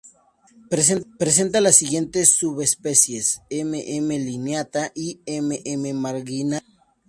Presenta las siguientes subespecies: "M. m. lineata" y "M. m. marginata".